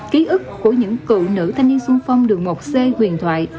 ký ức của những cựu nữ thanh niên sung phong được một c huyền thoại